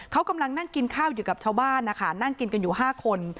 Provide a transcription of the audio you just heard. เขากำลังนั่งกินข้าวอยู่กับชาวบ้านนะคะนั่งกินกันอยู่๕คน